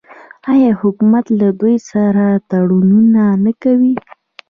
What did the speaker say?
آیا حکومت له دوی سره تړونونه نه کوي؟